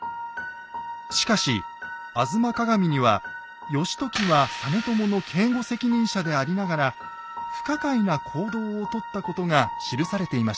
しかし「吾妻鏡」には義時は実朝の警護責任者でありながら不可解な行動をとったことが記されていました。